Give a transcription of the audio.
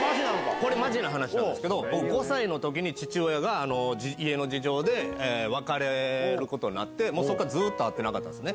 これ、まじな話なんですけど、５歳のときに父親が家の事情で別れることになって、そこからずっと会ってなかったんですね。